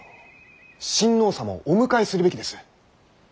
親王様をお迎えするべきです。